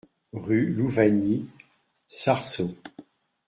Rue Louvagny, Sarceaux